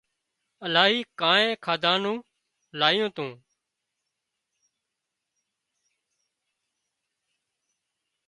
الاهي ڪانئين کاڌا نُون لايُون تُون